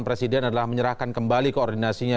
presiden adalah menyerahkan kembali koordinasinya